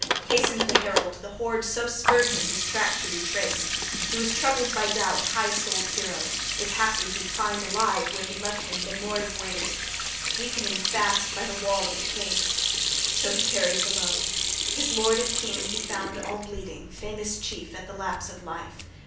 Hasted the herald, the hoard so spurred him his track to retrace; he was troubled by doubt, high souled hero, if haply he'd find alive, where he left him, the lord of Weders, weakening fast by the wall of the cave. So he carried the load. His lord and king he found all bleeding, famous chief at the lapse of life.